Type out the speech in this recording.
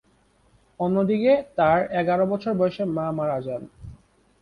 অন্যদিকে তার এগারো বছর বয়সে মা মারা যান।